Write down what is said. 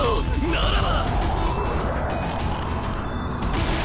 ならば！